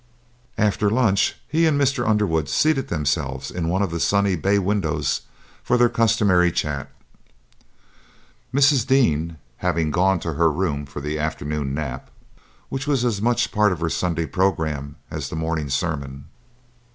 After lunch he and Mr. Underwood seated themselves in one of the sunny bay windows for their customary chat, Mrs. Dean having gone to her room for the afternoon nap which was as much a part of her Sunday programme as the morning sermon.